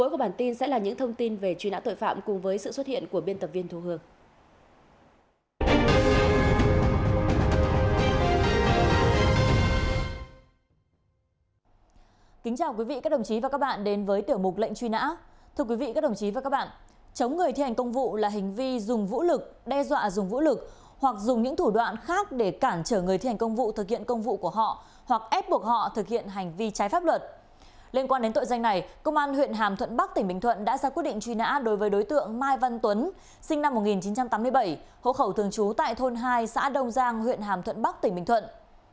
công an huyện hàm thuận bắc tỉnh bình thuận đã ra quyết định truy nã đối với đối tượng mai văn tuấn sinh năm một nghìn chín trăm tám mươi bảy hỗ khẩu thường trú tại thôn hai xã đông giang huyện hàm thuận bắc tỉnh bình thuận